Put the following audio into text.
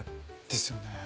ですよね。